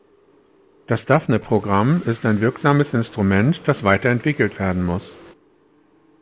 Das Daphne-Programm ist ein wirksames Instrument, das weiter entwickelt werden muss.